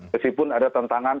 meskipun ada tantangan